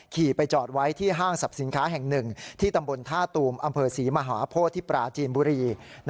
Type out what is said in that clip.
ขี่ไปจอดไว้ที่ห้างสรรพสินค้าแห่งหนึ่งที่ตำบลท่าตูมอำเภอศรีมหาโพธิที่ปราจีนบุรี